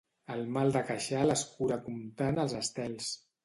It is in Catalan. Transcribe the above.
El mal de queixal es cura comptant els estels.